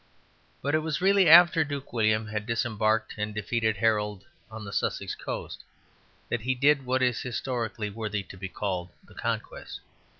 But it was really after Duke William had disembarked and defeated Harold on the Sussex coast, that he did what is historically worthy to be called the Conquest.